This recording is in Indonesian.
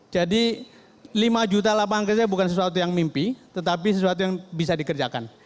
lima juta lapangan kerja bukan sesuatu yang mimpi tetapi sesuatu yang bisa dikerjakan